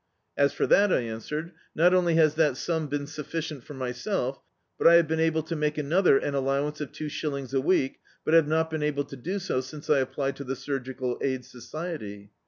"As for that," I answered, "not only has that sum been sufficient for myself, but I have been able to make another an allowance of two shillings a week, but have not been able to do so since I applied to the Surgical Aid Society."